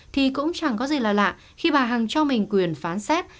thì cũng chẳng có gì là lạ khi bà hằng cho mình quyền phán xét